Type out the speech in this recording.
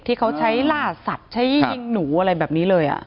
ที่เขาใช้ล่าสัตว์ใช้ยิงหนูอะไรแบบนี้เลย